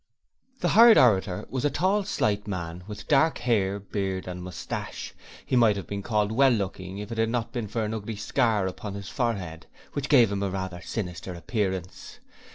The hired orator was a tall, slight man with dark hair, beard and moustache, he might have been called well looking if it had not been for a ugly scar upon his forehead, which gave him a rather sinister appearance.